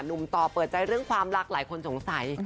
ต่อเปิดใจเรื่องความรักหลายคนสงสัย